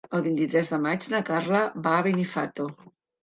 El vint-i-tres de maig na Carla va a Benifato.